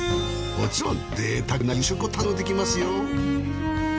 もちろん贅沢な夕食も堪能できますよ。